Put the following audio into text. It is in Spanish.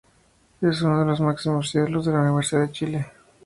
Es uno de los máximos ídolos de Universidad de Chile.